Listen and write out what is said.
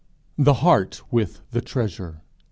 THE HEART WITH THE TREASURE.